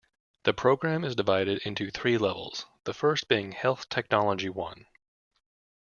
The program is divided into three levels, the first being Health Technology One.